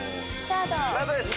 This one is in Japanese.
スタートです。